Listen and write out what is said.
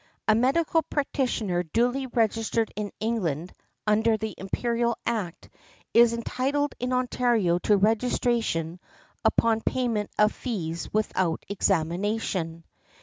A medical practitioner duly registered in England, under the Imperial Act, is entitled in Ontario to registration upon payment of fees without examination .